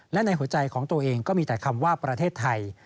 และในหัวใจของตัวเองก็มีแต่คำว่าประเทศไทย